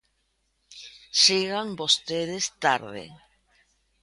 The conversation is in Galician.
Chegan vostedes tarde.